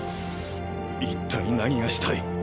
一体何がしたい？